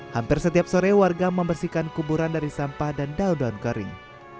hampir setiap sore warga membersihkan kuburan dari sampah dan daun daun kering